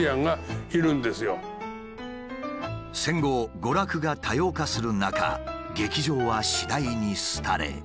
戦後娯楽が多様化する中劇場は次第に廃れ。